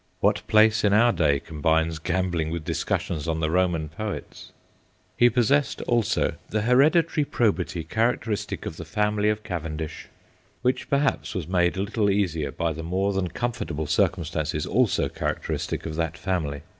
(What place in our day combines gambling with discussions on the Roman poets ?) He possessed, also, 'the hereditary probity characteristic of the family of Cavendish/ which perhaps was made a little easier by the more than comfortable circumstances also characteristic of that family.